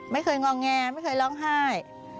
ไม่เคยงอแงไม่เคยร้องไห้